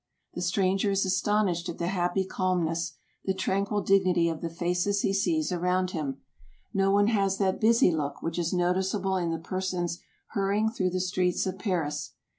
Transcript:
The stranger is aston ished at the happy calmness, the tranquil dignity of the faces he sees around him. No one has that busy look which is noticeable in the persons hurrying through the streets of Paris.